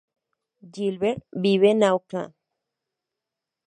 Gilbert vive en Auckland.